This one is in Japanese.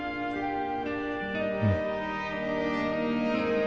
うん。